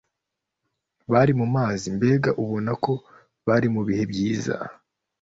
bari mu mazi mbega ubona ko bari mu bihe byiza